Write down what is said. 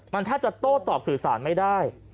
มันแทบจะโต้ตอบสื่อสารไม่ได้